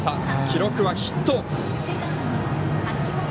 記録はヒット。